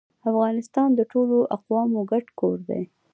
افغانستان د ټولو اقوامو ګډ کور دی